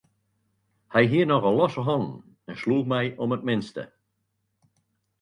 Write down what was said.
Hja hie nochal losse hannen en sloech my om it minste.